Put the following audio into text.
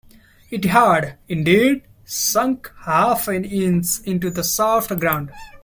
It had, indeed, sunk half an inch into the soft ground.